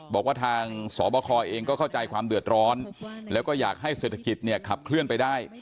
บอกว่าทางสบคเองก็เข้าใจความเดือดร้อนแล้วก็อยากให้เศรษฐกิจเนี่ยขับเคลื่อนไปได้